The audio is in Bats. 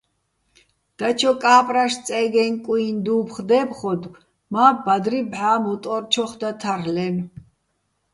დაჩო კა́პრაშ-წე́გეჼ-კუიჼ დუ́ფხო̆ დე́ფხოდო̆ მა́, ბადრი ბჵა მუტო́რჩოხ და თარლ'ენო̆.